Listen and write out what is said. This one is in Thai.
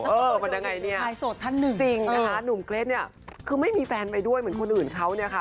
เออมันเป็นอย่างไรเนี่ยจริงนะคะหนุ่มเกร็ดเนี่ยคือไม่มีแฟนไปด้วยเหมือนคนอื่นเขาเนี่ยค่ะ